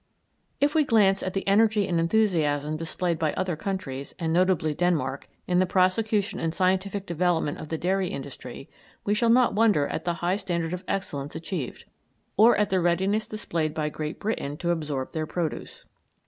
If we glance at the energy and enthusiasm displayed by other countries, and notably Denmark, in the prosecution and scientific development of the dairy industry, we shall not wonder at the high standard of excellence achieved, or at the readiness displayed by Great Britain to absorb their produce.